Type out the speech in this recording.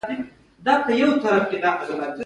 کوږ ناستی د بې احترامي نښه ده